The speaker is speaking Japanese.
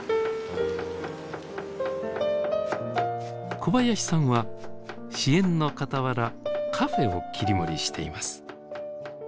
小林さんは支援のかたわらカフェを切り盛りしています。